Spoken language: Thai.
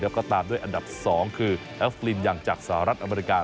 แล้วก็ตามด้วยอันดับ๒คือแอฟลินอย่างจากสหรัฐอเมริกา